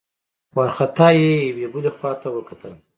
وارخطا يې يوې بلې خواته وکتل.